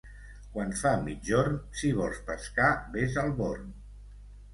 Quan fa migjorn, si vols pescar, ves al Born.